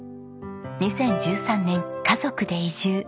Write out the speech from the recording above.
２０１３年家族で移住。